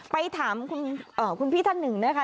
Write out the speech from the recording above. ไปถามคุณพี่ท่านหนึ่งนะคะ